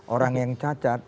orang yang cacat